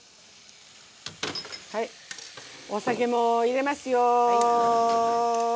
はいお酒も入れますよ。